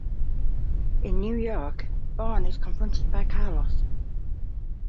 In New York, Bourne is confronted by Carlos.